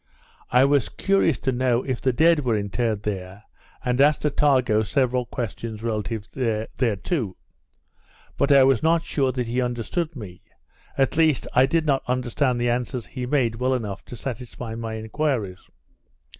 I was curious to know if the dead were interred there, and asked Attago several questions relative thereto; but I was not sure that he understood me, at least I did not understand the answers he made well enough to satisfy my enquiries.